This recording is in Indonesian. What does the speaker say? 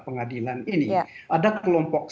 pengadilan ini ada kelompok